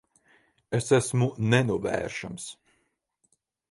Es esmu nenovēršams.